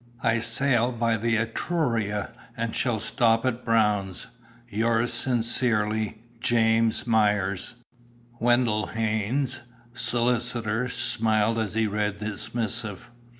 "I sail by the Etruria and shall stop at Brown's. "Yours sincerely, "JAS. MYERS." Wendell Haynes, solicitor, smiled as he read this missive.